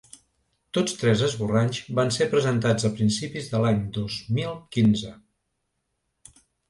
Tots tres esborranys van ser presentats a principis de l’any dos mil quinze.